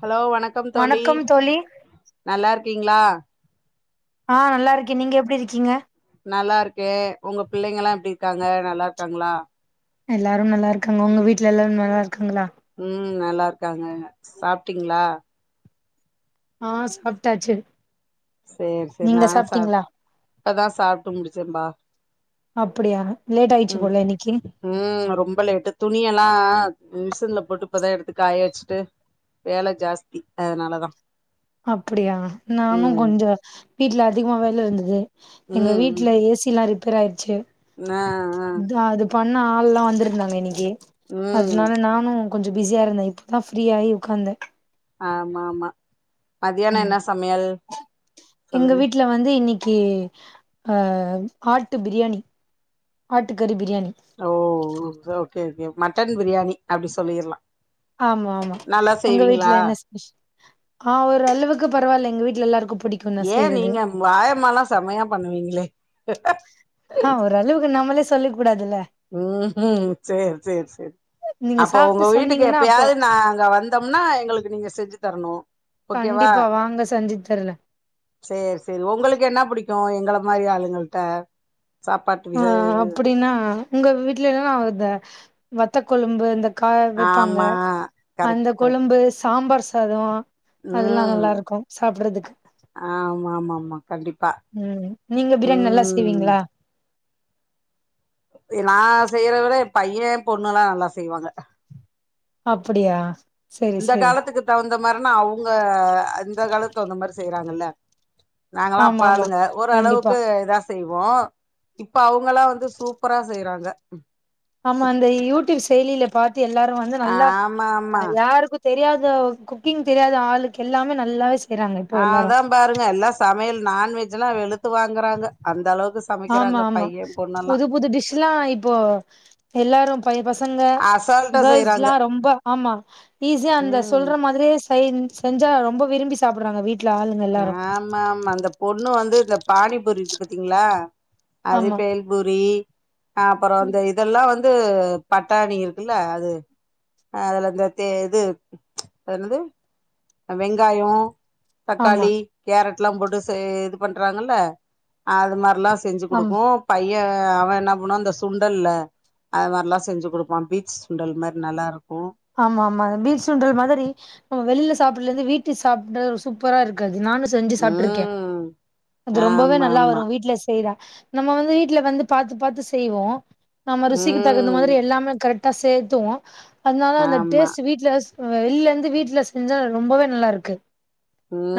Hello வணக்கம் தோழி நல்லாயிருக்கீங்களா ஆ நல்லா இருக்கேன் நீங்க எப்படி இருக்கீங்க நல்லா இருக்கே உங்க பிள்ளைங்க எல்லா எப்டி இருக்காங்க நல்லா இருக்காங்களா எல்லாரும் நல்லா இருக்காங்க உங்க வீட்டுல எல்லாரும் நல்லா இருக்காங்களா ம் நல்லா இருக்காங்க சாப்பிட்டீங்களா ஆ சாப்பிட்டாச்சு சேரி சரி நானும் சா இப்பதா சாப்ட்டு முடிச்சேன்ம்பா அப்படியா லேட் ஆயிடுச்சு போல இன்னைக்கு ம் ரொம்ப லேட்டு துணியெல்லா மிஷின்ல போட்டு இப்பதா எடுத்து காய வெச்சுட்டு வேல ஜாஸ்தி அதனாலதா அப்டியா நானும் ம் கொஞ்ச வீட்டுல அதிக வேல இருந்தது எங்க ம் வீட்டுல ஏசில்லா ரிப்பேர் ஆயிருச்சு ம் ஆ ஆ அத்தா அது பண்ண ஆள்ல்லா வந்திருந்தாங்க இன்னைக்கு ம் அதனால நானும் கொஞ்ச பிஸியாருந்தே இப்ப தா ஃப்ரீயாகி உக்காந்தே ஆமா ஆமா மதியானோ ம் என்ன சமையல் எங்க சொல்லுங்க வீட்டல வந்து இன்னைக் கி ஆ ஆட்டு பிரியாணி ஆட்டு கறி பிரியாணி ஓ ஓகே ஓகே மட்டன் பிரியாணி அப்டி சொல்லிறலா ஆமா ஆமா உங்க வீட்டுல என்ன ஸ் ஆ ஒரு அளவுக்கு பரவால்ல எங்க வீட்டுல எல்லாருக்கும் புடிக் ஏ நீங்க பாயம்மாலா செம்மையா பண்ணுவீங்களே ஆ ஒரு அளவுக்கு நம்மளே சொல்லிக்க கூடாதுல்ல ம் ம் சேரி சேரி சேரி நீங்க அப்போ ஒங்க சாப்ட்டு வீட்டுக்கு சொன்னீங்கன்னா அப்போ எப்பயாது நாங்க வந்தம்னா எங்களுக்கு நீங்க செஞ்சு தரணு ஓகேவா கண்டிப்பா வாங்க செஞ்சித் தர்ரே சேரி சேரி உங்களுக்கு என்ன புடிக்கும் எங்க மாரி ஆளுங்கள்ட்ட சாப்பாட்டு ஆ விச அப்படின்னா உங்க வீட்ல எல்லாம் இந்த வத்த கொழும்பு இந்த கா வெப்பாங்க ஆமா கரெக்ட் அந்த கரெக்ட் கொழும்பு சாம்பார் சாதோ அதெல்லா ம் நல்லா இருக்கும் சாப்பிடுறதுக்கு ஆமா ஆமா ஆமா கண்டிப்பா ம் நீங்க பிரியாணி நல்லா ம் செய்வீங்களா நா செய்யற விட ஏ பையே பொண்ணுல்லா நல்லா செய்வாங்க அப்படியா இந்த காலத்துக்கு தகுந்த மாரினா அவங்க இந்த காலத்து தகுந்த மாரி செய்யறாங்கல்ல நாங்களா ஆமா ஆமா அப்பாளுங்க கண்டிப்பா ஓரளவுக்கு ஏதா செய்வோ இப்ப அவங்களா வந்து சூப்பரா செய்யறாங்க ஆமா அந்த யூடியூப் செயலில பாத்து எல்லாரு வந்து நல்லா ஆமா ஆமா யாருக்கும் தெரியாத குக்கிங் தெரியாத ஆளுக்கு எல்லாமே நல்லாவே செய்றாங்க இப்போ ஆ எல்லாரு அதா பாருங்க எல்லா சமையல் நான் வெஜ்ல்லா வெளுத்து வாங்குறாங்க அந்த அளவுக்கு ஆமா சமைக்கிறாங்க ஆமா பையே புது புது டிஷ்ல்லாம் இப்போ எல்லாரு பை பசங்க அசால்ட்டா செய்றாங்க கேர்ள்ஸ்ல்லா ரொம்ப ஆமா ஈஸியா அந்த ம் சொல்ற மாதிரியே செய் செஞ்சா ரொம்ப விரும்பி சாப்பிட்றாங்க வீட் ஆமா ஆமா இந்த பொண்ணு வந்து இந்த பானிபூரி இருக்கு பாத்தீங்களா அது ஆமா பேல் புரி அப்பறோ ம். அந்த இதெல்லா வந்து பட்டாணி இருக்குல்ல அது அதுல அ இந்த தே இது அது என்னது வெங்காயோ ஆமா தக்காளி கேரட்லா போட்டு இது பண்றாங்கல்ல அது மாரிலா செஞ்சு ஆமா குடுக்கும் பைய அவ என்னா பண்ணுவா இந்த சுண்டல்ல அது மார்லா செஞ்சு குடுப்பான் பீச் சுண்டல் மாரி நல்லா இருக்கூ ஆமா ஆமா பீச் சுண்டல் மாதிரி நம்ம வெளில சாப்பில இருந்து வீட்டு சாப்பிற ஒரு சூப்பரா இருக்கு அது நானு சா செஞ்சு சாப்ட்ருக்கே ம் அது ரொம்பவே ஆமா நல்லா வரு ஆமா வீட்ல செ செய்றா நம்ம வந்து வீட்ல வந்து பாத்து பாத்து செய்வோ நம்ம ருசிக்கு தகு ந்த ம் மாதிரி எல்லாமே கரெக்டா சேத்துவோ அதனால அந்த ஆமா டேஸ்டு வீட்ல வெளிலந்து வீட்ல செஞ்சா ரொம்பவே நல்லா இருக்கு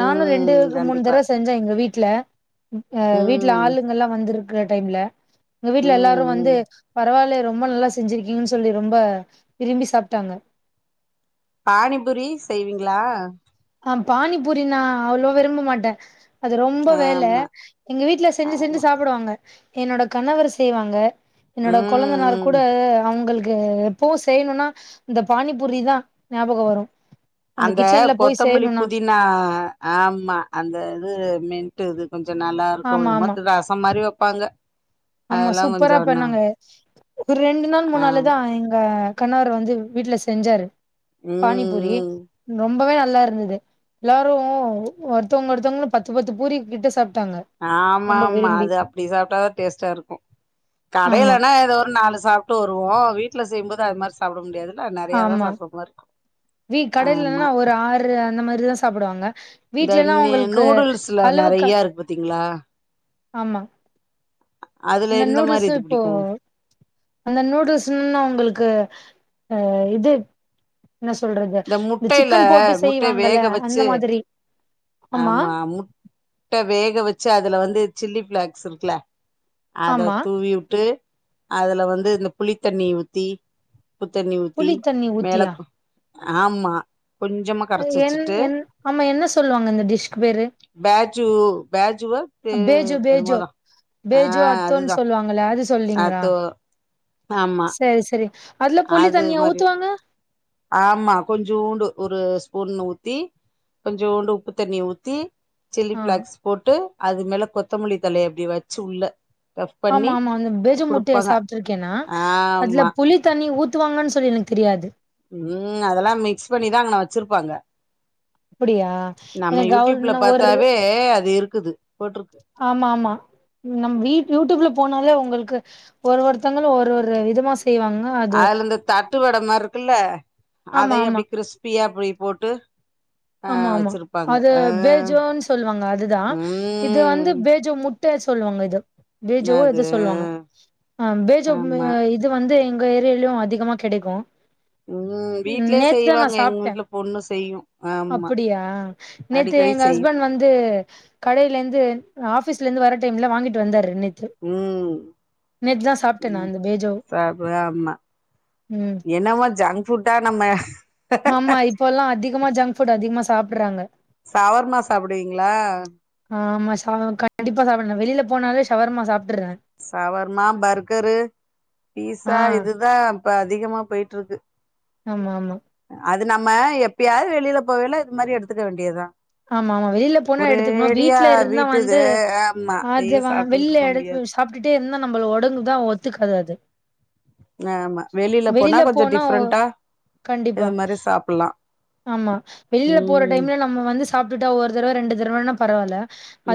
நானு ரெண்டு மூணு கண்டிப்பா தடவ செஞ்சு ட்டே எங்க வீட்ல அ வீட்ல ம் ஆளுங்கல்லா வந்திருக்கிற டைம்ல எங்க வீட்ல எல்லார் ம் ரு வந்து ம் பரவால்லயே ரொம்ப நல்லா செஞ்சிருக்கீங்கன்னு சொல்லி ரொம்ப விரும்பி சாப்ட்டாங்க பானிபுரி செய்வீங்ளா ஆ பானிபூரி நா அவ்ளோவா விரும்ப மாட்டே அது ரொம்ப வேல ஆமா எங்க வீட்ல செஞ்சு செஞ்சு ஆமா சாப்புடுவாங்க என்னோட கணவர் செய்வாங்க என்னோட ம் கொழந்தனார் கூட ம் அவுங்களுக்கு இப்போவு செய்ணுன்னா இந்த பானிபூரி தா ஞாபகம் வரும் அந்த கொத்தமல்லி புதினா ஆமா அந்த இது மென்ட்டு இது கொஞ்சொ நல்லா இருக்கூ ஆமா என்னமோ ஆமா தெர் ரசம் மாரி வப்பாங்க ஆமா சூப்பரா பண்ணாங்க ஒரு ரெண்டு நாள் முன்னாளதா ஆமா எங்க கணவரு வந்து வீட்ல செஞ்சாரு ம் பானிபூரி ம் ரொம்பவே நல்லா இருந்தது எல்லாரு ஒருத்தவுங்க ஒருத்தவுங்கனு பத்து பத்து பூரி கிட்ட சாப்ட்டாங்க ஆமா ரொம்ப ஆமா விரும்பி அது அப்டி சாப்ட்டாதா டேஸ்ட்டா இருக்கூ ஆமா கடையிலனா ஏதோ ஒரு நாலு சாப் டு வருவோ வீட்ல செய்யும்போது அது மாரி சாப்ட முடியாதுல்ல நறையாதா ஆமா சாப்ற மாரி இருக்கூ வீ ஆமா கடைலன்னா ஒரு ஆறு இந்த மாரிதா சாப்புடுவாங்க இந்த நி நூடுல்ஸ்ல நறையா இருக்கு பத்தீங்ளா ஆமா அதுல அந்த எந்த மாரி நூடுல்ஸஸு இது இப்போ புடிக்கு அந்த நூடுல்ஸ்ன்ன உங்களுக்கு அ இது என்ன சொல்றது இந்த முட்டைல சிக்கன் போட்டு முட்டைய செய்வாங்கல வேக அந்த வச்சு மாதிரி ஆமா முட் ட வேக வச்சு அதுல வந்து சில்லி பிளேக்ஸ் இருக்குல அத ஆமா தூவி வுட்டு அதுல வந்து இந்த புளித்தண்ணி ஊத்தி உப்புத்தண்ணி ஊத்தி புளி தண்ணி மேல ஊத்தியா ஆமா கொஞ்சமா கரச்சு என் வச்சுட்டு என் ஆமா என்ன சொல்லுவாங்க இந்த டிஷ்க்கு பேரு பேஜு பேஜுவா பே பேஜோ பேஜோ என்னமோதா ஆ பேஜோ அத்தோன்ன அதுதா சொல்லுவாங்க களே அது சொல்ரீங்களா அத்தோ ஆமா சரி சரி அதுல புலி அது தண்ணியா மாரி ஊத்துவாங்க ஆமா கொஞ்சோண்டு ஒரு ஸ்பூன் ஊத்தி கொஞ்சோண்டு உப்பு தண்ணி ஊத்தி சில்லி ஆ பிளேக்ஸ் போட்டு அது மேல கொத்தமல்லி தழய இப்டி வச்சு உள்ள டஃப் ஆமா பண்ணி ஆமா அந்த பேஜோ முட்டைய குடுப்பாங்க சாப்டுருக்கே நா ஆமா அதுல புளித்தண்ணி ஊத் த்துவாங்கன் சொல்லி எனக்கு தெரியாது ம் அதெல்லா மிக்ஸ் பண்ணிதா அங்கன வச்சிருப்பாங்க அப்படியா நம்ம எனக்கு யூ டியூப்ல அவள்னா ஒரு பாத்தாவே அது இருக்குது போட்ருக்கு ஆமா ஆமா நம்ம வீட் யூடியூப்ல போனாலே உங்களுக்கு ஒரு ஒருத்தங்களு ஒரு ஒரு விதமா செய்வாங்க அது அதுல இந்த தட்டு வட மாரி இருக்குல்ல ஆமா அதையு ஆமா அப்டி கிறிஸ்பியா அப்டி போட்டு ஆமா அ ஆமா வச்சிருப்பாங்க அது ஆ பேஜோன்னு சொல்லுவாங்க அதுதா இது வந்து ம் பேஜோ மு [unintelligible] சொல்லுவாங்க இத பேஜோ அது எத சொல்லுவாங்க அ பேஜோ வ ஆமா இது வந்து எங்க ஏரியாலயும் அதிகமா கெடக்கும் ம் வீட்லயே செய்வாங்க எங்க வீட்டுல பொண்ணு செய்யும் அப்டியா நேத்து எங்க செய்யு ஹஸ்பண்ட் வந்து கடையில இருந்து ஆஃபீஸ்ல இருந்து வர டைம்ல வாங்கிட்டு வந்தாரு ம் நேத்துதா சாப்ட்டே நா ம் அந்த பேஜோ சாப்வே ஆமா ம் என்னவோ ஜங்க் புட்டா நம்ம ஆமா இப்பெல்லா அதிகமா ஜங்க் ஃபுட் அதிகமா சாப்டுறாங்க சவர்மா சாப்டுவிங்களா அ ஆமா சவர் கண்டிப்பா சாப்டறே வெளில போனாலே சவர்மா சாப்ட்டுறே சவர்மா பர்கரு பீஸா ஆ இதுதா இப்ப அதிகமா போயிட்டு இருக்கு ஆமா ஆமா அது நம்ம எப்பயாது வெளியில போகல இது மாரி எடுத்துக்க வேண்டியதுதா ஆமா ஆமா வெளியில போனா எடுத்துக்கணும் வீட்டு்ல இருந்தா வீட்டு இது வந்து ஆமா அதையே அது வெளியில சாப்ட்டுக்கிட்ருக்க எடுத்து முடியாது சாப்ட்டுட்டே இருந்தா நம்மள ஒடங்கு தா ஒத்துக்காது அது ஆமா வெளில போனா கொஞ்ச டிஃப்ரெண்ட்டா கண்டிப்பா ஆமா வெளியில போற ம் டைம்ல ந ம் வந்து சாப்ட்டுட்டா ஒவ்வரு தடவ ரெண்டு தடவன்னா பரவாயில்ல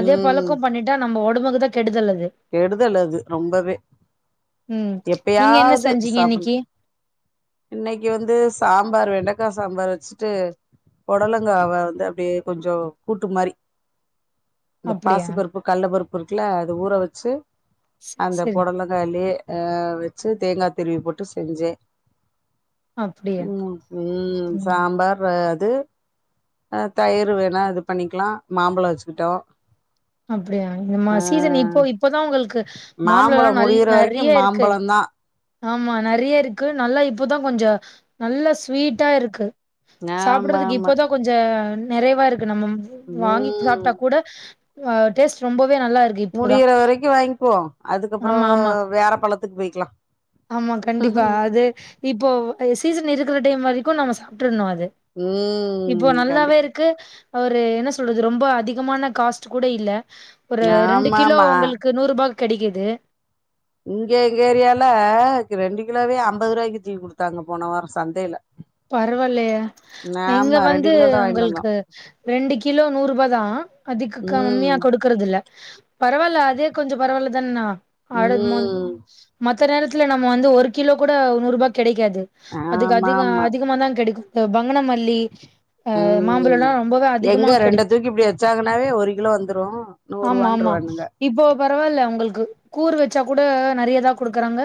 அதே பழக்கம் பண்ணிட்டு நம்ம உடம்புக்கு தா கெடுதல் அது கெடுதல் அது ரொம்பவே ம் நீங்க என்ன எப்பயாவது செஞ்சீங்க சாப்டணும் இன்னைக்கி இன்னைக்கு வந்து சாம்பார் வெண்டக்கா சாம்பார் வச்சுட்டு பொடலங்காவ வந்து அப்டியே கொஞ்சம் கூட்டு மாரி இந்த அப்டியா பாசி பருப்பு கடல்ல பருப்பு இருக்குல அது ஊற வச்சு செரி அந்த செரி பொடலங் தக்காளி அ வச்சு தேங்கா திருவி போட்டு செஞ்சே அப்டியா ம் ம் சாம்பார் அது அ தயிர் வேணா இது பண்ணிக்கலா மாம்பழம் வச்சுக்கிட்டோம் அப்டியா இந்த மா சீசன் இப்போ இப்போதா உங்களுக்கு மாம்பழ மாம்பழோ எல்லா நல்ல முடியிற வரைக்கு நெறைய இருக்கு மாம்பழந்தா ஆமா நறைய இருக்கு நல்லா இப்போதா கொஞ்சம் நல்லா ஸ்வீட்டா இருக்கு ஆமா சாப்டுறதுக்கு ஆமா இப்போதா கொஞ்சம் நெறைவா இருக்கு நம்ம வாங்கி ம் சாப்ட்டா கூட டேஸ்ட் ரொம்பவே நல்லா இருக்கு இப்போதான் முடியிற வரைக்கு வாங்கிபோம் அதுக்கப்பறம் ஆமா ஆமா வேற பழத்துக்கு போய்கிக்கலாம் ஆமா கண்டிப்பா அது இப்போ சீசன் இருக்கிற டைம் வரைக்கு நம்ம சாப்ட்டுருணும் அது இப்போ ம் நல்லாவே கண்டிப்பா இருக்கு ஒரு என்ன சொல்றது ரொம்ப அதிகமான காஸ்ட் கூட இல்ல ஒரு ரெண்டு கிலோ ஆமாமா உங்களுக்கு நூறு ரூபாக்கு கெடைக்குது இங்க எங்க ஏரியால ரெண்டு கிலோவே ஐம்பது ரூபாய்க்கு தூக்கி குடுத்தாங்க போன வார சந்தையில பரவாயில்லயே இங்க ஆமா ரெண்டு வந்து கிலோ தா வாங்கிட்டு வந்தோ உங்களுக்கு ரெண்டு கிலோ நூறு ரூபா தா அதுக்கு கம்மியா ம் குடு இருக்குறது இல்ல பரவாயில்ல அதே கொஞ்சம் பரவாயில்ல தானா அ மொ ம் மத்த நேரத்துல நம்ம வந்து ஒரு கிலோ கூட நூறு ரூபாய் கெடைக்காது அதுக்கு அதிக அதிக ஆமாமா அதிகமா தா கெடைக்கும் பங்கனமல்லி ம் ம் மாம்பழம்லா ரொம்பவே அதிகமா எங்க ரெண்ட கெடைக்கு தூக்கி இப்டி வெச்சாங்கன்னாவே ஒரு கிலோ வந்துரூ நூறு ஆமா ஆமா ரூவான்ட்ருவானுங்க இப்போ பரவால்ல உங்களுக்கு கூறு வச்சா கூட நறைய தா குடுக்குறாங்க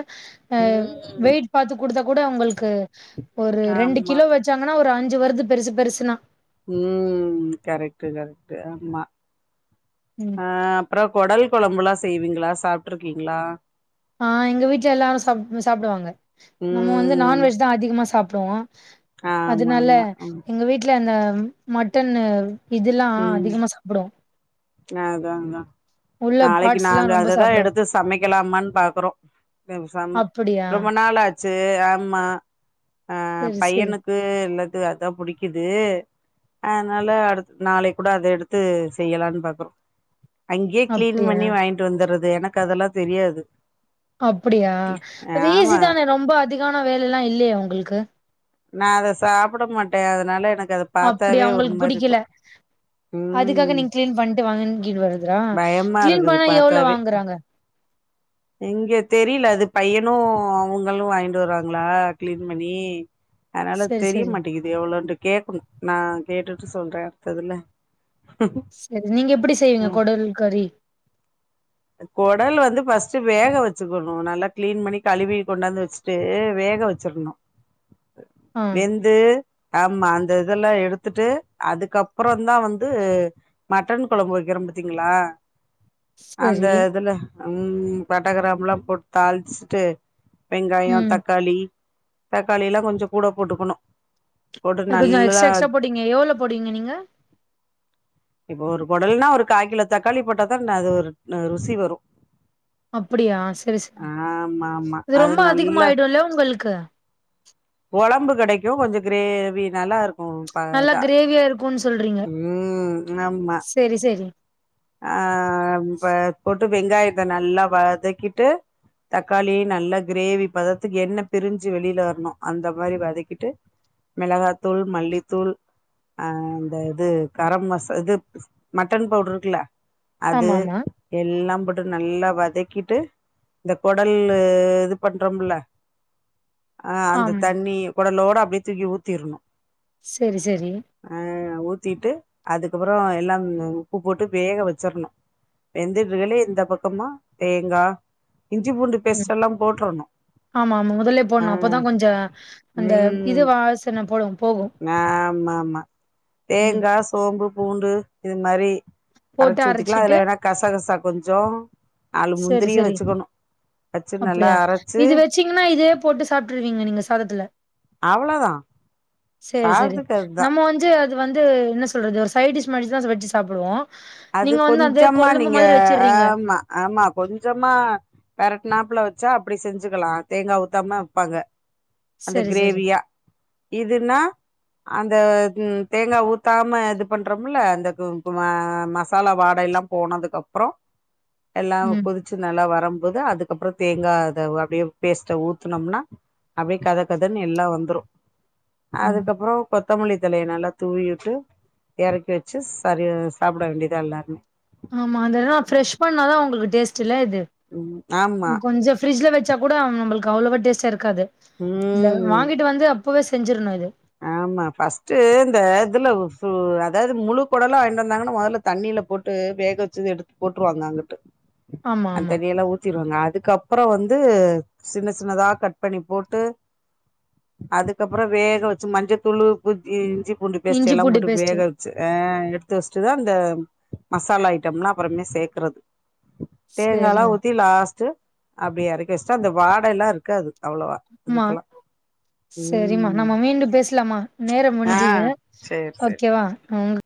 அ ம் வெயிட் பாத்து குடுத்தா கூட அவங்களுக்கு ஒரு ரெண்டு ஆமா கிலோ வச்சாங்கன்னா ஒரு அஞ்சு வருது பெருசு பெருசுனா ம் கரெக்ட் கரெக்ட் ஆமா ம் ம் ம் ஆ அப்புறோ கொடல் கொழம்புல்லா செய்வீங்களா சாப்ட்டுருக்கீங்களா ஆ எங்க வீட்ல எல்லாரு சா சாப்டுவாங்க நம்ம வந்து ம் நான்வெஜ் தா அதிகமா சாப்புடுவோ ஆமா அதனால ஆமா ம் எங்க வீட்ல அந்த மட்டன்னு இதுல்லா அதிகமா சாப்புடுவோ அ அதாதா உள்ள நாளைக்கி பார்ட்ஸ்லா நாங்க ரொம்ப அததா சாப்டுவோ எடுத்து சமைக்கலாமான்னு பாக்குறோ பேசாம அப்படியா? ரொம்ப நாள் ஆ ட்சி ஆமா ஆ சரி, சரி. பையனுக்கு எல்லாத்துக்கு அதா புடிக்கிது அதனால அடுத் நாளைக்கி கூட அத எடுத்து செய்யலான்பாக்குறோ அங்கேயே கிளீன் அப்படியா? பண்ணி வாங்கி ட்டு வந்துறது எனக்கு அதெல்லா தெரியாது அப்பிடியா அது ஈஸி ஆமா தானே ரொம்ப அதிகான வேலையெல்லா இல்லையே உங்களுக்கு நா அத சாப்பட மாட்டே அதனால எனக் அப்படி அவங்களுக்கு புடிக்கல அதுக்காக ம் நீங்க கிளீன் பண்ணிட்டு வாங்கிங்ட்வருதா பயமா கிளீன் இருக்குது பண்ணா எவ்ளோ பாத்தாவே வாங்கறாங்க [inaudible] இங்க தெரியல அது பையனு அவுங்களு வாங்கிட்டு வறாங்களா கிளீன் பண்ணி அதனால சரி, தெரிய சரி, மாட்டேங்கிது எவ்ளோன்ட்டு கேட்கணு நா கேட்டுட்டு சொல்றே அடுத்ததுல செரி நீங்க எப்பிடி செய்வீங்க ம் கொடல் கறி கொடல் வந்து ஃபர்ஸ்ட் வேக வச்சுக்கணு நல்லா கிளீன் பண்ணி கழுவி கொண்டாந்து வச்சு ட்டு வேக வெச்சிர்ணு ஆ, வெ ந்து ஆமா அந்த இதெல்லா எடுத்துட்டு அதுக்கப்புறோ தா வந்து மட்டன் கொழம்பு வைக்கிறோ பாத்தீங்களா அந்த சரி. இதுல ம் பட்டகிரம்பெல்லா போட்டு தாளிச்சுட்டு வெங்காயோ ம். தக்காளி தக்காளியெல்லா கொஞ்சோ கூட போட்டுக்கணு போட்டு அது கொஞ்சோ நல்லா எக்ட்ரா எக்ஸ்ட்ரா போட்டீங்க எவ்ளோ போட்டீங்க நீங்க இப்போ ஒரு கொடல்ன்னா ஒரு காயிக் கிலோ தக்காளி போட்டா தா அது ஒரு ருசி வரு அப்பிடியா செரி செரி ஆமா ஆமா இது அது ரொம்ப நல்லா அதிகமாயிடுல்ல உங்களுக்கு கொழம்பு கெடைக்கு கொஞ்சோ கிரேவி நல்லாருக்கு ம் பா நல்லா தா கிரேவியா இருக்கும்னு ம் ஆமா செரி செரி ஆ ப்ப போட்டு வெங்காயத்தை நல்லா வதக்கிட்டு தக்காளி நல்ல கிரேவி பதத்துக்கு என்ன பிரிஞ்சு வெளியில வரணு அந்த மாரி வதக்கிட்டு மிளகாத்தூள் மல்லித்தூள் அ இந்த இது கரம் மச இது மட்டன் பவுடர் இருக்குல்ல அது ஆமாமா. எல்லாம் போட்டு நல்லா வதக்கிட்டு இந்த கொடல் இது பண்றோமுல்ல ஆ அந்த ஆம். தண்ணி கொடலோட அப்டியே தூக்கி ஊத்திரணு செரி செரி அ ஊத்திட்டு அதுக்கப்புறோ எல்லாம் உப்பு போட்டு வேக வெச்சிர்ணு வெந்துட்டுர்களே இந்த பக்கமா தேங்கா இஞ்சி பூண்டு ம். பேஸ்டெல்லா போட்டர்ணு ஆமா ஆமா முதலே போட்ணு அப்போதா கொஞ்ச அந்த இது ம் வாசன போடு போகு ஆமா ஆமா ம் தேங்கா சோம்பு பூண்டு இது மாரி போட்டு அரைச்சு ஊத்திக்கலா அரைச்சிட்டு அதுல வேணா கச கசா கொஞ்சோ நாலு சரி முந்திரியு சரி வச்சுக்கணு வச்சு நல்லா அரைச்சு சீங்கன்னா இதே போட்டு சாப்ட்டுருவீங்க நீங்க சாதத்துல அவ்ளோதா செரி செரி சாதத்துக்கு அதுதா நம்ம வந்து அது வந்து என்ன சொல்றது ஒரு சைட் டிஷ் மாரிதா அத வச்சு சாப்டுவோ அது கொஞ்சமா நீங்க வச்சிடுறீங்க ஆமா ஆமா கொஞ்சமா பெரட்னாப்ல‌ வச்சா அப்டி செஞ்சுக்கலா தேங்கா ஊத்தாம வெப்பாங்க அந்த சரி சரி கிரேவியா இதுன்னா அந்த ம் தேங்கா ஊத்தாம இது பண்றோம்ல அந்த கும் குமா மசாலா வாடை எல்லா போனதுக்கப்றோ எல்லா ம் கொதிச் ச்சு நல்லா வரம்போது அதுக்கப்றோ தேங்கா அத அப்டியே பேஸ்ட்ட ஊத்துனோம்னா அப்டியே கத கதன்னு எல்லா வந்துரு ம் அதுக்கப்றோ கொத்தமல்லி தழைய நல்லா தூவியுட்டு எறக்கி வச்சு சரி சாப் கூட வேண்டியதா எல்லாமே ஆமா அந்த எடலா ஃப்ரெஷ் பண்ணாதா உங்களுக்கு டேஸ்ட் இல்ல இது ம் ஆமா ம் கொஞ்சோ ஃப்ரிட்ஜ்ல வச்சா கூட ம் நம்ளுக் அவ்வளவா டேஸ்டா இருக்காது இல்ல ம் வாங்கிட்டு வந்து அப்பவே செஞ்சிருணு இது ஆமா ஃபர்ஸ்ட்டு இந்த இதுல ஃபு அதாது முழு கொடல்லா வாங்கிட்டு வந்தாங்கன்னா மொதல்ல தண்ணில போட்டு வேக வச்சது எடுத்து போட்ருவோ அங்க அங்குட்டு ஆமா அந்த ஆமா தண்ணிலா ஊ த்திருவாங்க அதுக்கப்றோ வந்து சின்ன சின்னதா கட் பண்ணி போட்டு அதுக்கப்றோ வேக வச்சு மஞ்சத்தூள் புச் இஞ்சி பூண்டு பேஸ்டு இஞ்சி எல்லா பூண்டு போட்டு பேஸ்ட் வேக ச்சு அ எடுத்து வச்ட்டுதா இந்த மசாலா ஐட்டோம்லா அப்றமே சேக்குறது தேங்கால்லா சரிங்க ஊத்தி லாஸ்ட்டு அப்டி எறக்கி வச்ட்டா அந்த வாட எல்லா இருக்காது அவ்வளவா அம்மா இதுக்கெல்லாம். செரிமா ம். நம்ம மீண்டும் பேசலாமா நேரோ ஆ. முடுஞ்சுது சரி சரி. ஓகேவா உங்க